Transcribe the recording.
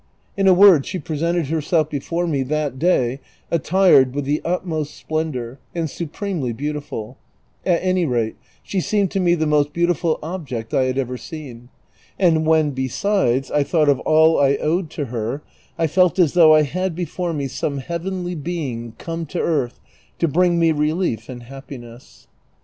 In a word she presented herself before me that day attired with tlie utmost splendor, and supremely beautiful ; at any rate, she seemed to me the most beautiful object I had ever seen ; and when, besides, 1 thought of all I owed to her I felt as though I had l)efore me some heavenly being come to eartli to bring me relief and happiness.